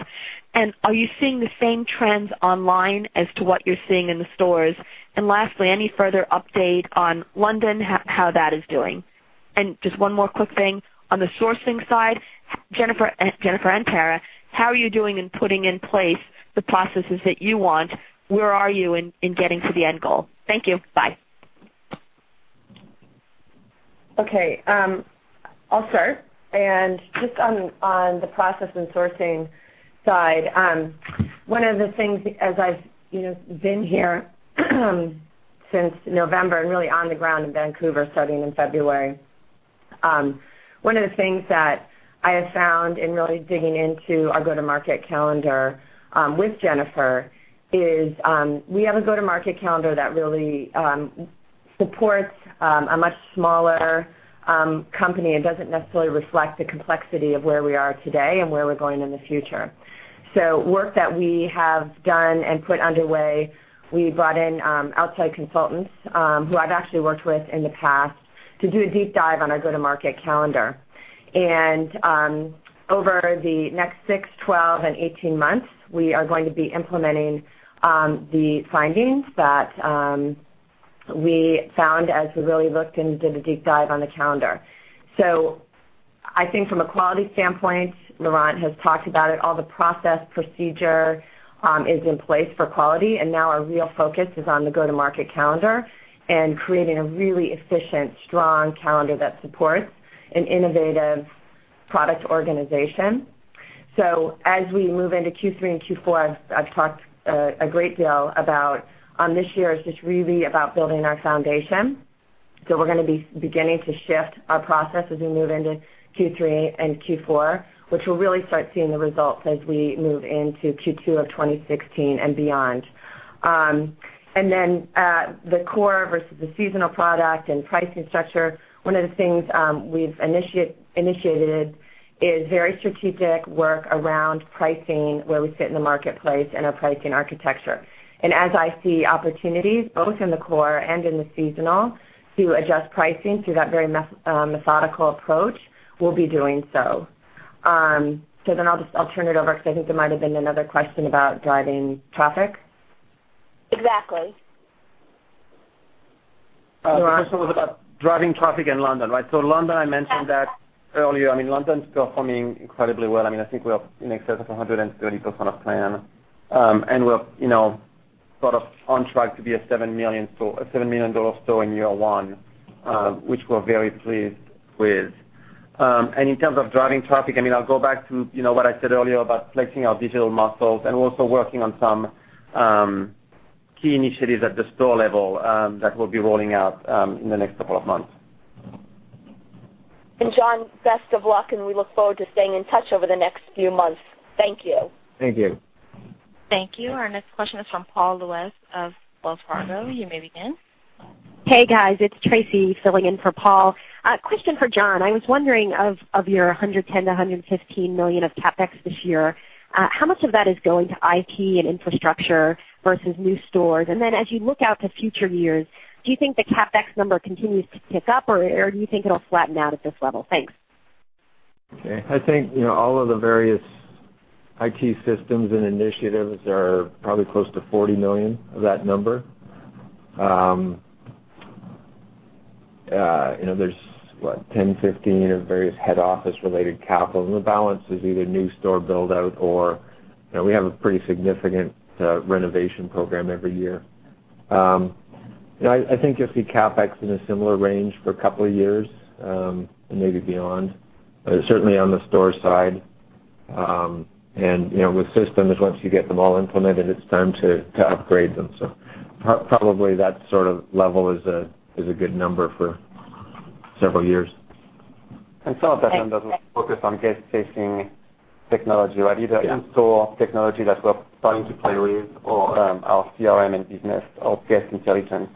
Are you seeing the same trends online as to what you're seeing in the stores? Lastly, any further update on London, how that is doing? Just one more quick thing. On the sourcing side, Jennifer and Tara, how are you doing in putting in place the processes that you want? Where are you in getting to the end goal? Thank you. Bye. Okay. I'll start. Just on the process and sourcing side, one of the things, as I've been here since November and really on the ground in Vancouver starting in February. One of the things that I have found in really digging into our go-to-market calendar with Jennifer is we have a go-to-market calendar that really supports a much smaller company and doesn't necessarily reflect the complexity of where we are today and where we're going in the future. Work that we have done and put underway, we brought in outside consultants, who I've actually worked with in the past, to do a deep dive on our go-to-market calendar. Over the next six, 12, and 18 months, we are going to be implementing the findings that we found as we really looked and did a deep dive on the calendar. I think from a quality standpoint, Laurent has talked about it, all the process procedure is in place for quality, and now our real focus is on the go-to-market calendar and creating a really efficient, strong calendar that supports an innovative product organization. As we move into Q3 and Q4, I've talked a great deal about on this year is just really about building our foundation. We're going to be beginning to shift our process as we move into Q3 and Q4, which we'll really start seeing the results as we move into Q2 of 2016 and beyond. The core versus the seasonal product and pricing structure, one of the things we've initiated is very strategic work around pricing, where we sit in the marketplace, and our pricing architecture. As I see opportunities, both in the core and in the seasonal, to adjust pricing through that very methodical approach, we'll be doing so. I'll turn it over because I think there might have been another question about driving traffic. Exactly. The question was about driving traffic in London, right? London, I mentioned that earlier. London's performing incredibly well. I think we're in excess of 130% of plan. We're sort of on track to be a $7 million store in year one, which we're very pleased with. In terms of driving traffic, I'll go back to what I said earlier about flexing our digital muscles and also working on some key initiatives at the store level that we'll be rolling out in the next couple of months. John, best of luck, we look forward to staying in touch over the next few months. Thank you. Thank you. Thank you. Our next question is from Paul Lejuez of Wells Fargo. You may begin. Hey, guys. It's Tracy filling in for Paul. Question for John. I was wondering, of your $110 million-$115 million of CapEx this year, how much of that is going to IT and infrastructure versus new stores? Do you think the CapEx number continues to tick up, or do you think it'll flatten out at this level? Thanks. Okay. I think all of the various IT systems and initiatives are probably close to $40 million of that number. There's, what, $10 million, $15 million of various head office related capital, and the balance is either new store build-out or we have a pretty significant renovation program every year. I think you'll see CapEx in a similar range for a couple of years, and maybe beyond. Certainly, on the store side. With systems, once you get them all implemented, it's time to upgrade them. Probably that sort of level is a good number for several years. Some of that focus on guest-facing technology, right? Either in-store technology that we're starting to play with or our CRM and business or guest intelligence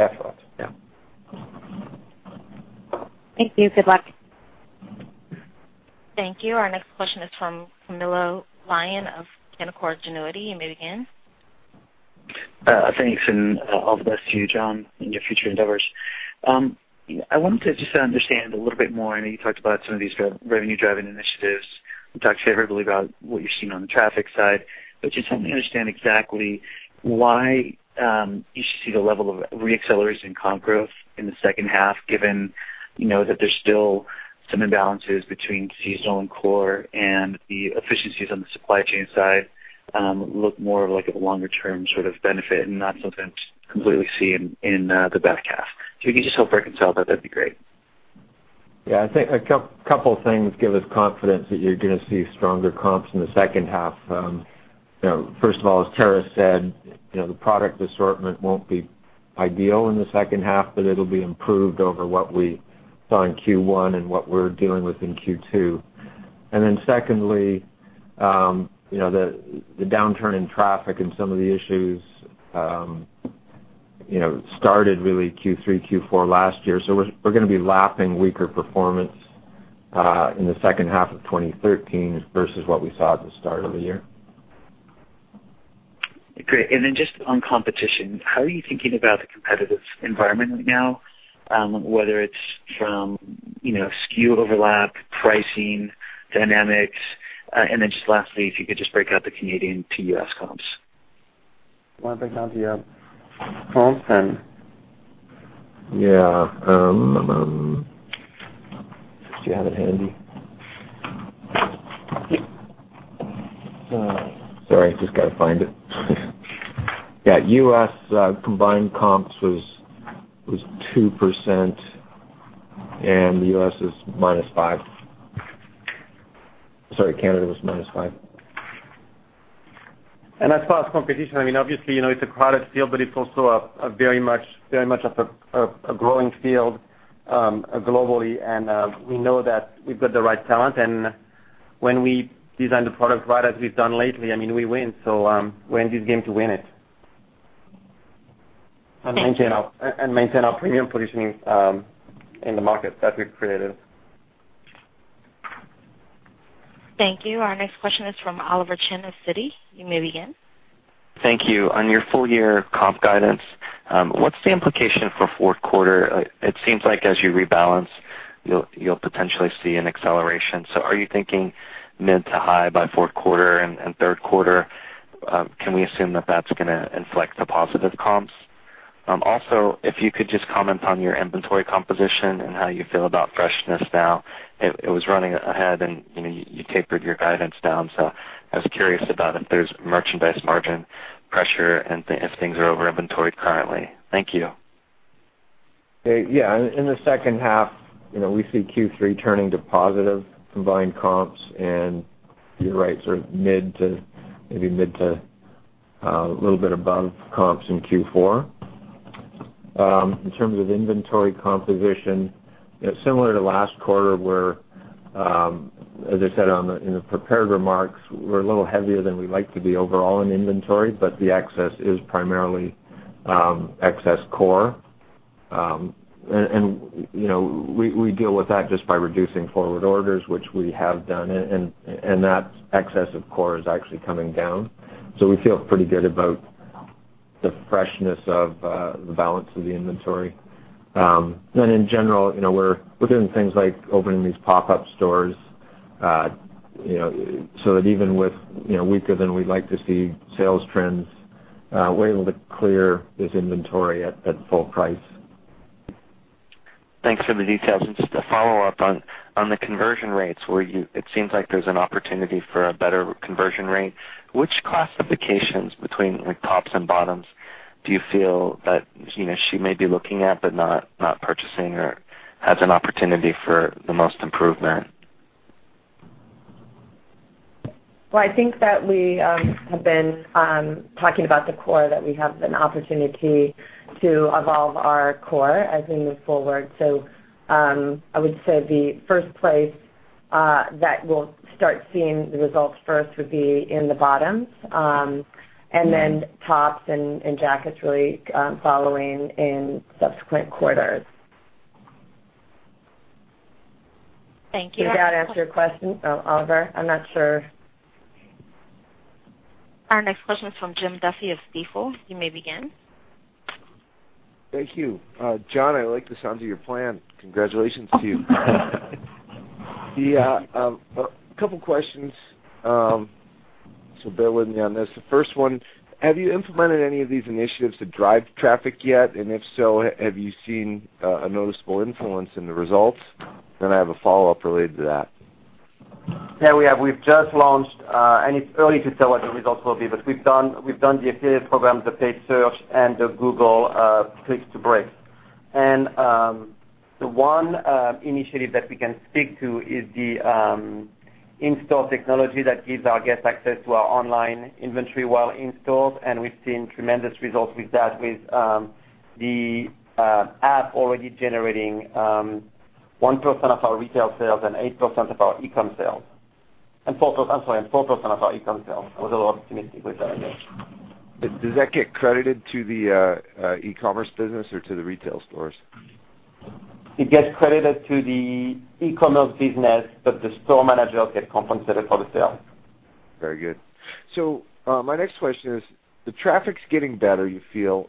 effort. Yeah. Thank you. Good luck. Thank you. Our next question is from Camilo Lyon of Canaccord Genuity. You may begin. Thanks. All the best to you, John, in your future endeavors. I wanted to just understand a little bit more. I know you talked about some of these revenue-driving initiatives. You talked favorably about what you're seeing on the traffic side. Just help me understand exactly why you should see the level of re-acceleration in comp growth in the second half, given that there's still some imbalances between seasonal and core, and the efficiencies on the supply chain side look more of a longer-term sort of benefit and not something completely seen in the back half. If you could just help reconcile that'd be great. I think a couple things give us confidence that you're gonna see stronger comps in the second half. First of all, as Tara said, the product assortment won't be ideal in the second half, but it'll be improved over what we saw in Q1 and what we're dealing with in Q2. Secondly, the downturn in traffic and some of the issues started really Q3, Q4 last year. We're gonna be lapping weaker performance in the second half of 2013 versus what we saw at the start of the year. Great. Just on competition, how are you thinking about the competitive environment right now, whether it's from SKU overlap, pricing dynamics? Just lastly, if you could just break out the Canadian to U.S. comps. Want to break down the comps. Yeah. Do you have it handy? Sorry, just got to find it. Yeah, U.S. combined comps was 2%. The U.S. is -5%. Sorry, Canada was -5%. As far as competition, obviously, it's a crowded field, but it's also very much of a growing field globally. We know that we've got the right talent, and when we design the product right, as we've done lately, we win. We're in this game to win it. Thanks. maintain our premium positioning in the market that we've created. Thank you. Our next question is from Oliver Chen of Citi. You may begin. Thank you. On your full-year comp guidance, what's the implication for fourth quarter? It seems like as you rebalance, you'll potentially see an acceleration. Are you thinking mid to high by fourth quarter and third quarter? Can we assume that that's going to inflect to positive comps? If you could just comment on your inventory composition and how you feel about freshness now. It was running ahead, and you tapered your guidance down. I was curious about if there's merchandise margin pressure and if things are over-inventoried currently. Thank you. In the second half, we see Q3 turning to positive combined comps and, you're right, sort of mid to a little bit above comps in Q4. In terms of inventory composition, similar to last quarter where, as I said in the prepared remarks, we're a little heavier than we like to be overall in inventory, but the excess is primarily excess core. We deal with that just by reducing forward orders, which we have done, and that excess of core is actually coming down. We feel pretty good about the freshness of the balance of the inventory. In general, we're doing things like opening these pop-up stores, so that even with weaker than we'd like to see sales trends, we're able to clear this inventory at full price. Thanks for the details. Just a follow-up on the conversion rates, it seems like there's an opportunity for a better conversion rate. Which classifications between tops and bottoms do you feel that she may be looking at but not purchasing or has an opportunity for the most improvement? Well, I think that we have been talking about the core, that we have an opportunity to evolve our core as we move forward. I would say the first place that we'll start seeing the results would be in the bottoms, and then tops and jackets really following in subsequent quarters. Thank you. Does that answer your question, Oliver? I'm not sure. Our next question is from Jim Duffy of Stifel. You may begin. Thank you. John, I like the sounds of your plan. Congratulations to you. A couple questions. Bear with me on this. The first one, have you implemented any of these initiatives to drive traffic yet? If so, have you seen a noticeable influence in the results? I have a follow-up related to that. Yeah, we have. We've just launched. It's early to tell what the results will be, but we've done the affiliate program, the paid search, and the Google clicks to bricks. The one initiative that we can speak to is the in-store technology that gives our guests access to our online inventory while in stores, and we've seen tremendous results with that, with the app already generating 1% of our retail sales and 8% of our e-com sales. 4%, I'm sorry, and 4% of our e-com sales. I was a little optimistic with that, I guess. Does that get credited to the e-commerce business or to the retail stores? It gets credited to the e-commerce business, but the store managers get compensated for the sale. Very good. My next question is, the traffic's getting better, you feel.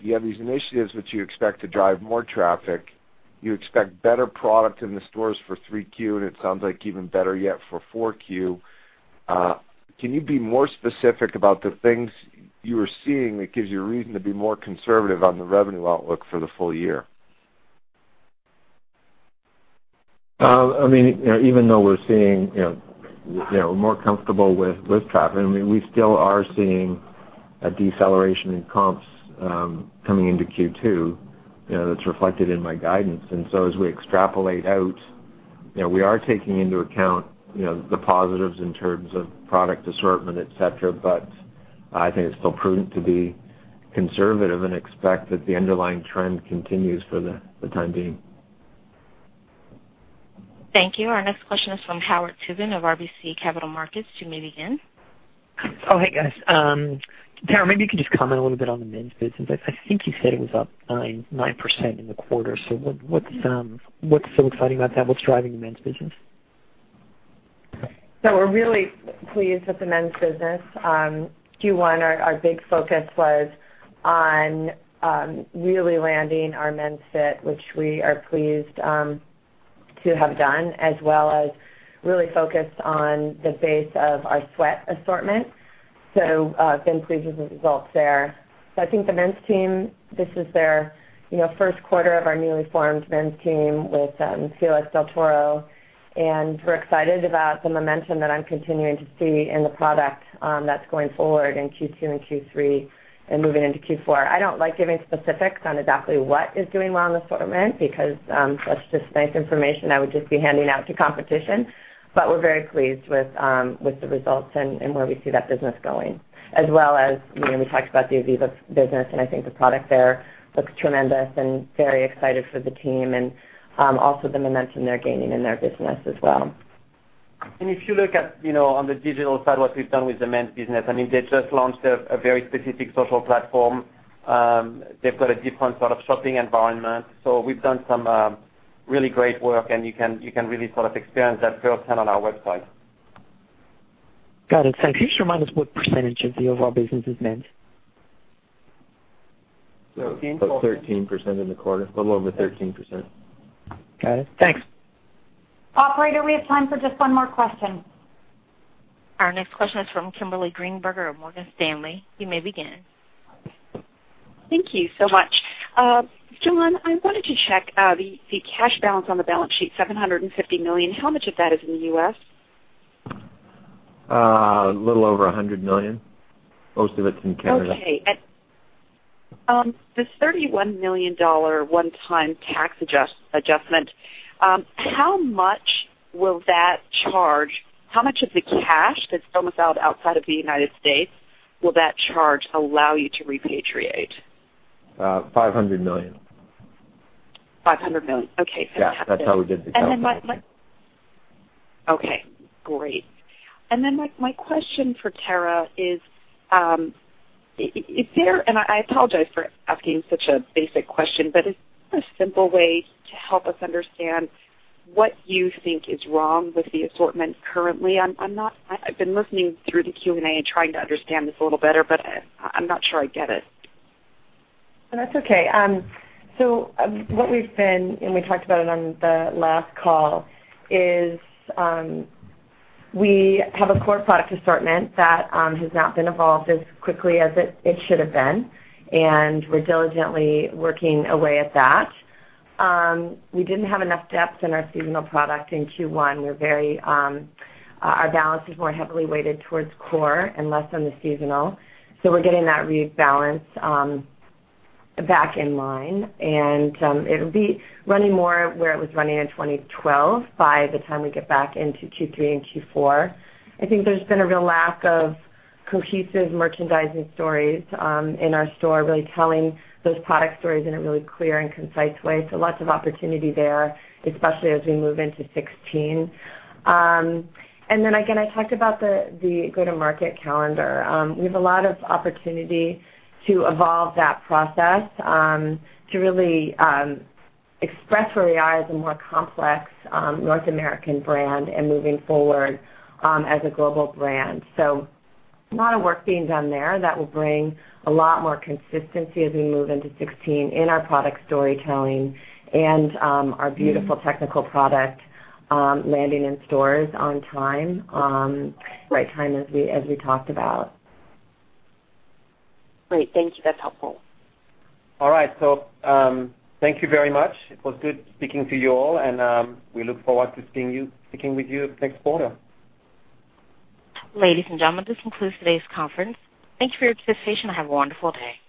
You have these initiatives which you expect to drive more traffic. You expect better product in the stores for Q3, and it sounds like even better yet for Q4. Can you be more specific about the things you are seeing that gives you a reason to be more conservative on the revenue outlook for the full year? Even though we're more comfortable with traffic, we still are seeing a deceleration in comps coming into Q2. That's reflected in my guidance. As we extrapolate out, we are taking into account the positives in terms of product assortment, et cetera, but I think it's still prudent to be conservative and expect that the underlying trend continues for the time being. Thank you. Our next question is from Howard Tubin of RBC Capital Markets. You may begin. Oh, hey, guys. Tara, maybe you could just comment a little bit on the men's business. I think you said it was up 9% in the quarter. What's so exciting about that? What's driving the men's business? We're really pleased with the men's business. Q1, our big focus was on really landing our men's fit, which we are pleased to have done, as well as really focused on the base of our sweat assortment. Been pleased with the results there. I think the men's team, this is their first quarter of our newly formed men's team with Felix del Toro, and we're excited about the momentum that I'm continuing to see in the product that's going forward in Q2 and Q3 and moving into Q4. I don't like giving specifics on exactly what is doing well in the assortment because that's just nice information I would just be handing out to competition. We're very pleased with the results and where we see that business going, as well as we talked about the ivivva business, I think the product there looks tremendous and very excited for the team and also the momentum they're gaining in their business as well. If you look at on the digital side, what we've done with the men's business, they just launched a very specific social platform. They've got a different sort of shopping environment. We've done some really great work, and you can really sort of experience that firsthand on our website. Got it. Thanks. Can you just remind us what percentage of the overall business is men's? About 13% in the quarter. A little over 13%. Got it. Thanks. Operator, we have time for just one more question. Our next question is from Kimberly Greenberger of Morgan Stanley. You may begin. Thank you so much. John, I wanted to check the cash balance on the balance sheet, $750 million. How much of that is in the U.S.? A little over $100 million. Most of it's in Canada. Okay. This $31 million one-time tax adjustment. How much of the cash that's domiciled outside of the United States will that charge allow you to repatriate? $500 million. $500 million. Okay. Fantastic. Yeah. That's how we did the calculation. Okay, great. My question for Tara is there, and I apologize for asking such a basic question, but is there a simple way to help us understand what you think is wrong with the assortment currently? I've been listening through the Q&A and trying to understand this a little better, but I'm not sure I get it. No, that's okay. What we've been, and we talked about it on the last call, is we have a core product assortment that has not been evolved as quickly as it should have been, and we're diligently working away at that. We didn't have enough depth in our seasonal product in Q1. Our balance is more heavily weighted towards core and less on the seasonal. We're getting that rebalance back in line, and it'll be running more where it was running in 2012 by the time we get back into Q3 and Q4. I think there's been a real lack of cohesive merchandising stories in our store, really telling those product stories in a really clear and concise way. Lots of opportunity there, especially as we move into 2016. Again, I talked about the go-to-market calendar. We have a lot of opportunity to evolve that process to really express who we are as a more complex North American brand and moving forward as a global brand. A lot of work being done there that will bring a lot more consistency as we move into 2016 in our product storytelling and our beautiful technical product landing in stores on time, right time, as we talked about. Great. Thank you. That's helpful. Thank you very much. It was good speaking to you all, and we look forward to speaking with you next quarter. Ladies and gentlemen, this concludes today's conference. Thank you for your participation and have a wonderful day.